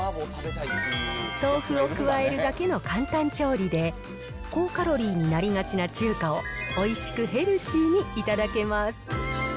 豆腐を加えるだけの簡単調理で、高カロリーになりがちな中華をおいしくヘルシーに頂けます。